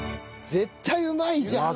絶対うまいじゃん。